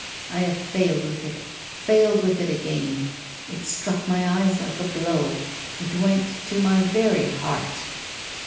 I have failed with it, failed with it again it struck my eyes like a blow, it went to my very heart.